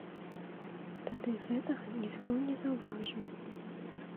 Тады гэтага ніхто не заўважыў.